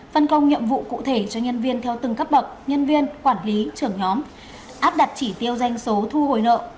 phân công nhiệm vụ cụ thể cho nhân viên theo từng cấp bậc nhân viên quản lý trưởng nhóm áp đặt chỉ tiêu doanh số thu hồi nợ